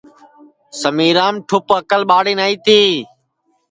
سمیرام ٹُھپ اکل ٻاڑِ نائی تی